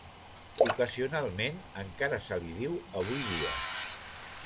Ocasionalment encara se li diu avui dia.